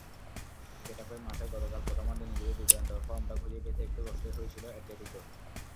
গেটাফের মাঠে গতকাল প্রথমার্ধে নিজেদের দুর্দান্ত ফর্মটা খুঁজে পেতে একটু কষ্টই হয়েছিল অ্যাটলেটিকোর।